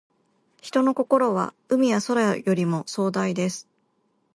人の心は、海や空よりも壮大です。